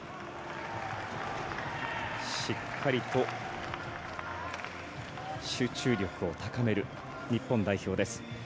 しっかりと集中力を高める日本代表です。